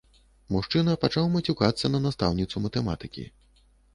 Мужчына пачаў мацюкацца на настаўніцу матэматыкі.